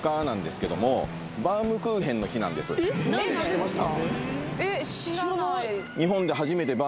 知ってました？